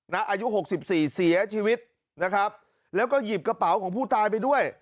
อายุหกสิบสี่เสียชีวิตนะครับแล้วก็หยิบกระเป๋าของผู้ตายไปด้วย